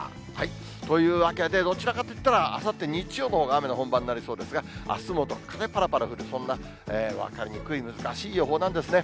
というわけで、どちらかといったら、あさって日曜のほうが、雨の本番になりそうですが、あすもどっかでぱらぱら降る、そんな分かりにくい、難しい予報なんですね。